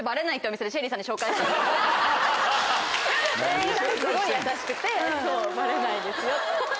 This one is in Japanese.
店員さんがすごい優しくてバレないですよ。